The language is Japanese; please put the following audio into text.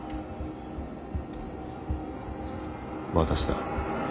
私だ。